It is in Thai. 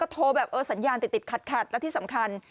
ก็โทรแบบสัญญาณติดขัดแล้วที่สำคัญ